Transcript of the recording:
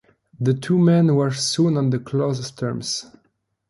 The two men were soon on the closest terms.